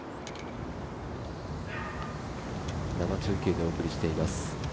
生中継でお送りしています。